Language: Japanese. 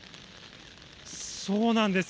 そうなんです。